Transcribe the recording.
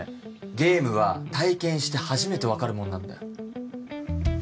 ゲームは体験して初めて分かるもんなんだよ